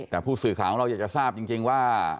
แต่ผู้สื่อข่าวของเราอยากจะทราบจริงว่า